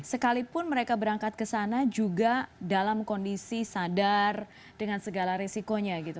sekalipun mereka berangkat ke sana juga dalam kondisi sadar dengan segala risikonya gitu